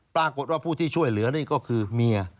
ปรากฏว่าผู้ที่ช่วยเหลือนี่ก็คือเมีย